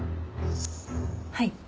はい。